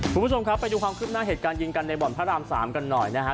คุณผู้ชมครับไปดูความคืบหน้าเหตุการณ์ยิงกันในบ่อนพระราม๓กันหน่อยนะฮะ